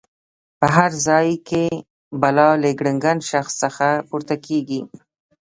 په هر ځای کې بلا له ګړنګن شخص څخه پورته کېږي.